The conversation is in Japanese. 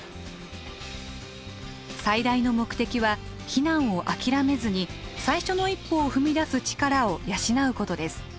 最大の目的は避難を諦めずに最初の一歩を踏み出す力を養うことです。